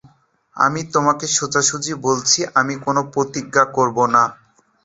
আমি তোমাকে সোজাসুজি বলছি, আমি কোন প্রতিজ্ঞা করবো না।